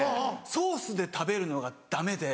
ソースで食べるのがダメで。